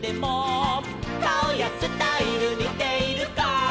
「かおやスタイルにているか」